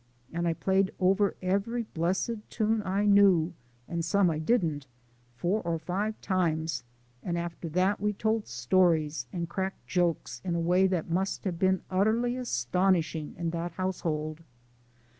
and I played over every blessed tune I knew, and some I didn't, four or five times, and after that we told stories and cracked jokes in a way that must have been utterly astonishing in that household.